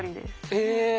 え。